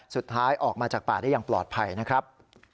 สุดท้ายออกมาจากป่าได้อย่างปลอดภัยนะครับ